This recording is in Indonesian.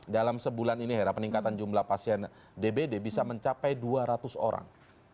dalam sebulan ini hera peningkatan jumlah pasien dbd bisa mencapai dua ratus orang